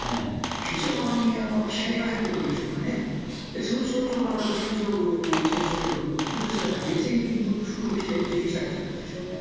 非常に気合いが入っていると言いましょうかね、その象徴がキム・ジョンウン総書記の軍服の姿、元帥服を着て出てきたということでしょうね。